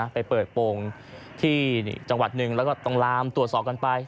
ไปเปิดโปรงที่จังหวัดหนึ่งแล้วก็ต้องลามตรวจสอบกันไป